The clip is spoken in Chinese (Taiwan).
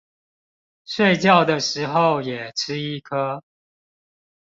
睡覺的時候也吃一顆